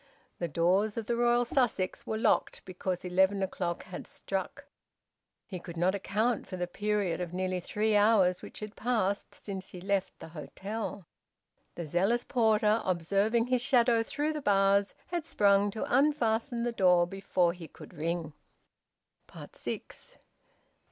The doors of the Royal Sussex were locked, because eleven o'clock had struck. He could not account for the period of nearly three hours which had passed since he left the hotel. The zealous porter, observing his shadow through the bars, had sprung to unfasten the door before he could ring. SIX.